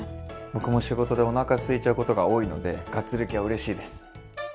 僕も仕事でおなかすいちゃうことが多いのでがっつり系はうれしいです。